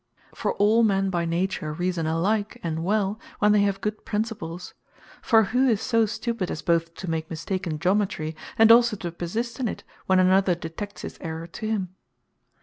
For all men by nature reason alike, and well, when they have good principles. For who is so stupid, as both to mistake in Geometry, and also to persist in it, when another detects his error to him?